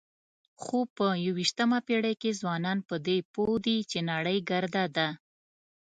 خو په یوویشتمه پېړۍ کې ځوانان په دې پوه دي چې نړۍ ګرده ده.